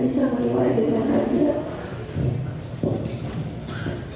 bisa menilai dengan hati yang